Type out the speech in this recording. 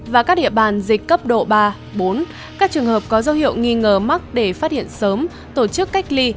và các địa bàn dịch cấp độ ba bốn các trường hợp có dấu hiệu nghi ngờ mắc để phát hiện sớm tổ chức cách ly